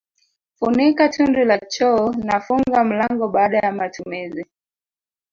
Funika tundu la choo na funga mlango baada ya matumizi